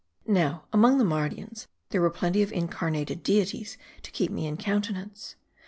Now, among the Mardians there were plenty of incar nated deities to keep me in countenance.